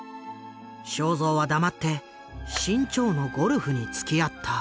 正蔵は黙って志ん朝のゴルフにつきあった。